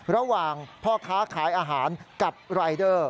ระหว่างพ่อค้าขายอาหารกับรายเดอร์